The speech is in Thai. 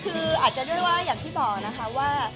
คืออาจจะด้วยว่าอย่างที่บอกนะคะว่า